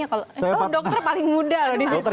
oh dokter paling muda loh disitu